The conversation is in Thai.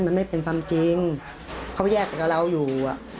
มันไม่เป็นความจริงเขาแยกกับเราอยู่อ่ะ